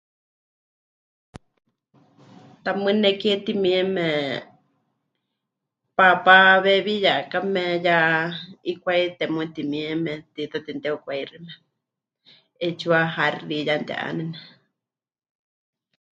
Tamɨ́ nekie timieme, paapá weewiyakame ya 'ikwáite muuwa timieme tiita temɨte'ukwaixime, 'eetsiwa haxi ya mɨti'ánene.